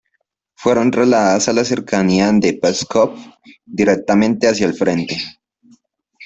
Fueron trasladados a las cercanías de Pskov, directamente hacia el frente.